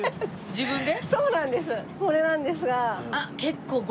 自分で。